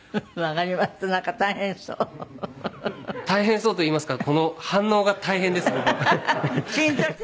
大変そうといいますかこの反応が大変です僕は。